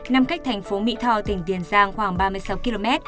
nằm cách thành phố mỹ tho tỉnh tiền giang khoảng ba mươi sáu km